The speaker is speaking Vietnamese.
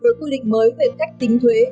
đối với quy định mới về cách tính thuế